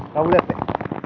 kamu lihat deh